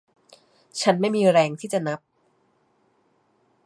ฉันไม่มีแรงที่จะนับ